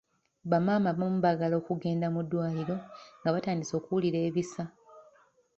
Ba maama abamu baagala okugenda mu ddwaliro nga batandise okuwulira ebisa.